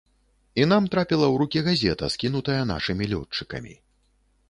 І нам трапіла ў рукі газета, скінутая нашымі лётчыкамі.